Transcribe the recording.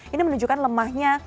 ini menunjukkan lemahnya